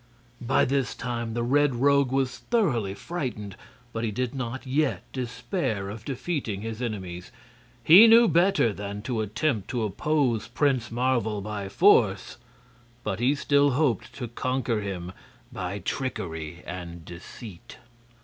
By this time the Red Rogue was thoroughly frightened, but he did not yet despair of defeating his enemies. He knew better than to attempt to oppose Prince Marvel by force, but he still hoped to conquer him by trickery and deceit.